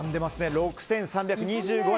６３２５円。